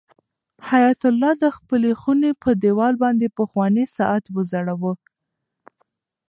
حیات الله د خپلې خونې په دېوال باندې پخوانی ساعت وځړاوه.